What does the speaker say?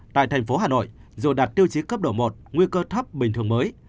tại thành phố hà nội dù đạt tiêu chí cấp độ một nguy cơ thấp bình thường mới